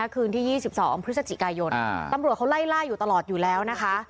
คืนที่๒๒พฤศจิกายนตำรวจเขาไล่ล่าอยู่ตลอดอยู่แล้วนะคะ